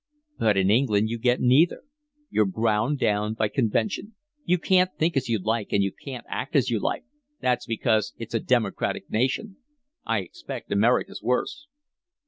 But in England you get neither: you're ground down by convention. You can't think as you like and you can't act as you like. That's because it's a democratic nation. I expect America's worse."